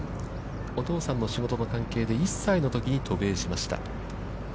お父さんの仕事の関係で、１歳のときに渡米しました。